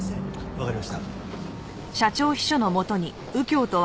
わかりました。